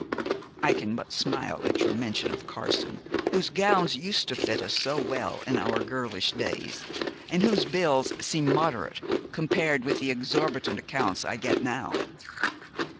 'I can but smile at your mention of Carson, whose gowns used to fit us so well in our girlish days, and whose bills seem moderate compared with the exorbitant accounts I get now.